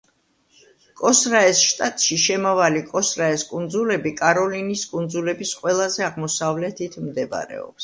კოსრაეს შტატში შემავალი კოსრაეს კუნძულები კაროლინის კუნძულების ყველაზე აღმოსავლეთით მდებარეობს.